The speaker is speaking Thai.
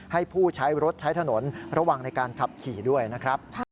ให้ผู้ใช้รถใช้ถนนระวังในการขับขี่ด้วยนะครับ